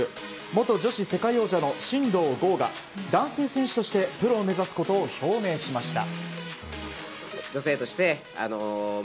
元女子世界王者の真道ゴーが男性選手としてプロを目指すことを表明しました。